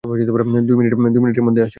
দুই মিনিটের মধ্যে আসছি।